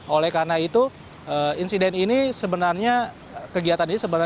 oleh karena itu kegiatan ini sebenarnya